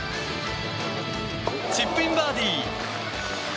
チップインバーディー！